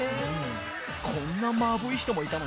こんなまぶい人もいたの？